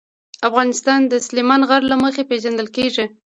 افغانستان د سلیمان غر له مخې پېژندل کېږي.